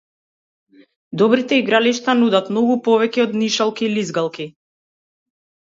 Добрите игралишта нудат многу повеќе од нишалки и лизгалки.